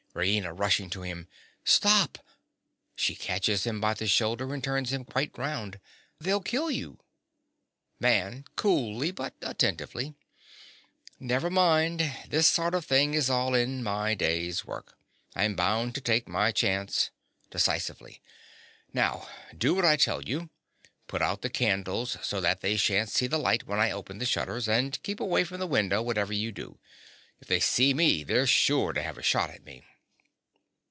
_) RAINA. (rushing to him). Stop! (She catches him by the shoulder, and turns him quite round.) They'll kill you. MAN. (coolly, but attentively). Never mind: this sort of thing is all in my day's work. I'm bound to take my chance. (Decisively.) Now do what I tell you. Put out the candles, so that they shan't see the light when I open the shutters. And keep away from the window, whatever you do. If they see me, they're sure to have a shot at me.